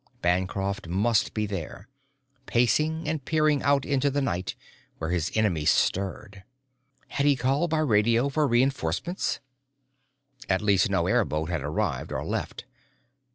Bancroft must be there, pacing and peering out into the night where his enemy stirred. Had he called by radio for reinforcements? At least no airboat had arrived or left.